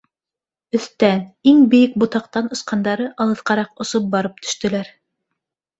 Өҫтән, иң бейек ботаҡтан осҡандары алыҫҡараҡ осоп барып төштөләр.